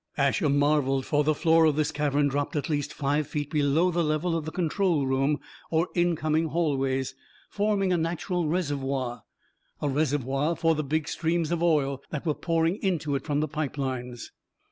Asher marveled, for the floor of this cavern dropped at least five feet below the level of the control room or incoming hallways, forming a natural reservoir. A reservoir for the big streams of oil that were pouring into it from the pipe lines.